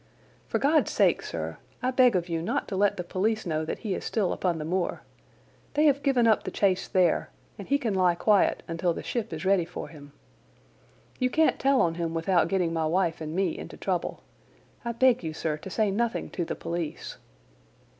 For God's sake, sir, I beg of you not to let the police know that he is still on the moor. They have given up the chase there, and he can lie quiet until the ship is ready for him. You can't tell on him without getting my wife and me into trouble. I beg you, sir, to say nothing to the police."